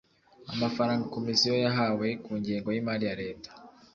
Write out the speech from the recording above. amafaranga komisiyo yahawe ku ngengo y imari ya leta